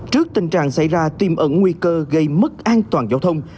trước tình trạng xảy ra tìm ẩn nguy cơ gây mất an toàn giao thông